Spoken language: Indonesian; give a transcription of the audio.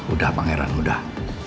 udah pangeran udah